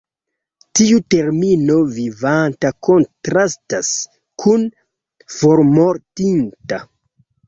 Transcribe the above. Tiu termino "vivanta" kontrastas kun "formortinta".